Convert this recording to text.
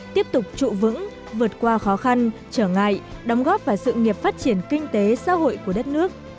tiếp tục trụ vững vượt qua khó khăn trở ngại đóng góp vào sự nghiệp phát triển kinh tế xã hội của đất nước